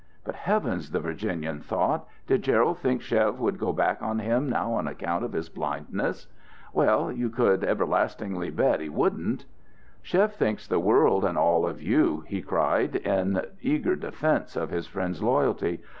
But, heavens! the Virginian though, did Gerald think Chev would go back on him now on account of his blindness? Well, you could everlastingly bet he wouldn't! "Chev thinks the world and all of you!" he cried in eager defense of his friend's loyalty.